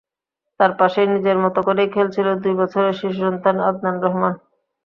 তাঁর পাশেই নিজের মতো করেই খেলছিল দুই বছরের শিশুসন্তান আদনান রহমান।